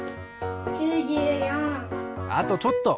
あとちょっと！